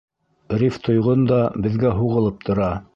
Риф Тойғон да беҙгә һуғылып тора.